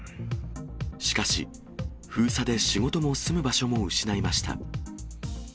しかし、封鎖で仕事も住む場所も失いました。